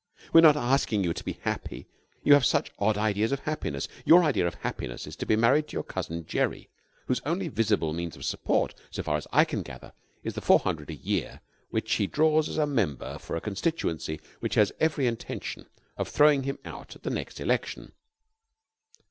"We're not asking you to be happy. You have such odd ideas of happiness. Your idea of happiness is to be married to your cousin Gerry, whose only visible means of support, so far as I can gather, is the four hundred a year which he draws as a member for a constituency which has every intention of throwing him out at the next election."